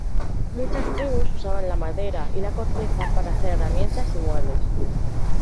Muchas tribus usaban la madera y la corteza para hacer herramientas y muebles.